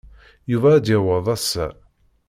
Yuba ad d-yaweḍ ass-a.